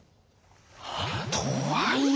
とはいえ。